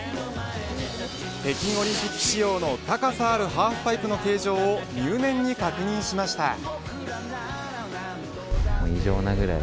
北京オリンピック仕様の高さあるハーフパイプの形状を入念に確認しました。